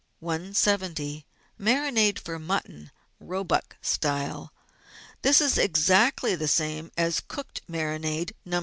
170— MARINADE FOR MUTTON, ROEBUCK STYLE This is exactly the same as cooked marinade, No.